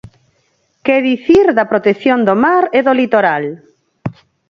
¿Que dicir da protección do mar e do litoral?